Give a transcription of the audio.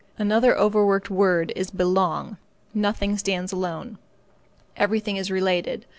Another overworked word is belong. Nothing stands alone. Everything is related.